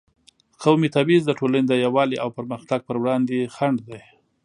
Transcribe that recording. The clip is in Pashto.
قومي تبعیض د ټولنې د یووالي او پرمختګ پر وړاندې خنډ دی.